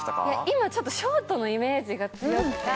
今ショートのイメージが強くて。